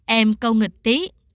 em câu nghịch tí